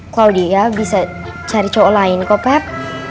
klaudia bisa cari cowok lain kok pep